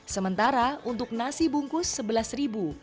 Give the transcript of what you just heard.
sementara untuk nasi bungkus rp sebelas